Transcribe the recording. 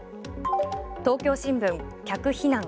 東京新聞、客避難。